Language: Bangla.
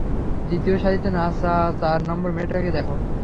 দ্বিতীয় সারিতে নাচা চার নম্বর মেয়েটাকে দেখো।